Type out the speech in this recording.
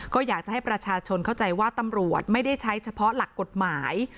ก็อยากจะให้ประชาชนเข้าใจว่าตำรวจไม่ได้ใช้เฉพาะหลักกฎหมาย